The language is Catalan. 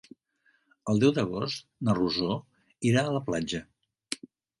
El deu d'agost na Rosó irà a la platja.